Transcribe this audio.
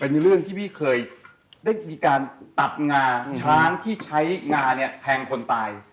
เรื่องที่พี่เคยได้มีการตัดงาช้างที่ใช้งาเนี่ยแทงคนตาย